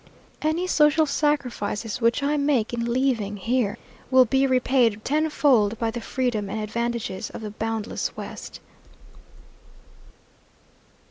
Any social sacrifices which I make in leaving here will be repaid tenfold by the freedom and advantages of the boundless West."